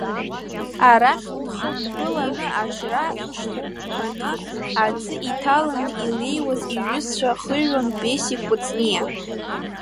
Арахь дхықәгыланы, ажра иҽҭырҳәҳәаны аӡы иҭаланы илеиуаз иҩызцәа хиҩон Бесик Кәыҵниа.